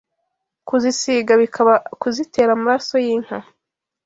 Kuzisiga bikaba kuzitera amaraso y’inka